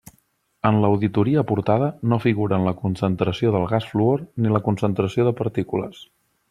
En l'auditoria aportada no figuren la concentració del gas fluor, ni la concentració de partícules.